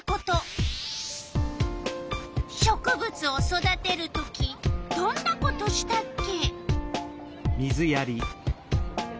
植物を育てる時どんなことしたっけ？